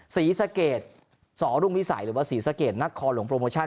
ศรีสะเกดสอรุ่งวิสัยหรือว่าศรีสะเกดนักคอหลวงโปรโมชั่น